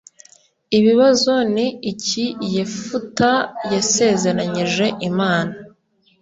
Ibibazo Ni iki Yefuta yasezeranyije Imana